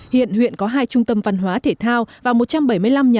hiện huyện có hai trung tâm văn hóa thể thao và một trăm bảy mươi năm nhà